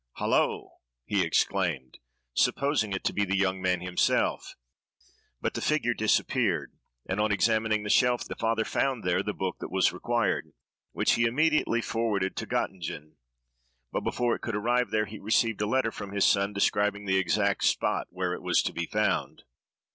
"Hallo!" he exclaimed, supposing it to be the young man himself, but the figure disappeared; and, on examining the shelf, the father found there the book that was required, which he immediately forwarded to Göttingen; but before it could arrive there, he received a letter from his son, describing the exact spot where it was to be found.